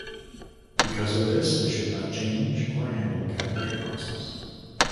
Because of this, they should not change or handle cat litter boxes.